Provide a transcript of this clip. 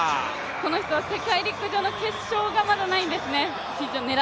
この人は世界陸上の決勝がまだないんですね。